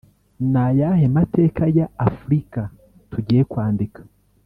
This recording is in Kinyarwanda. ni ayahe mateka ya Afurika tugiye kwandika